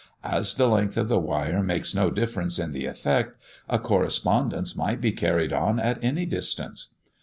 As the length of the wire makes no difference in the effect, a correspondence might be carried on at any distance.